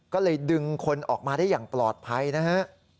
ก็เลยดึงคนออกมาได้อย่างปลอดภัยนะฮะ